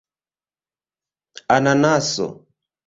ananaso